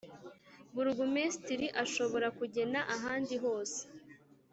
Burugumesitiri ashobora kugena ahandi hose